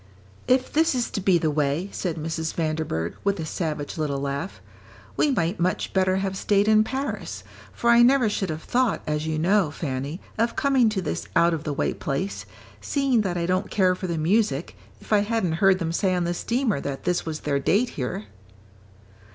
"If this is to be the way," said Mrs. Vanderburgh, with a savage little laugh, "we might much better have stayed in Paris, for I never should have thought, as you know, Fanny, of coming to this out of the way place, seeing that I don't care for the music, if I hadn't heard them say on the steamer that this was their date here."